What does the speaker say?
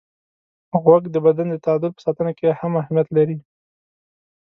غوږ د بدن د تعادل په ساتنه کې هم اهمیت لري.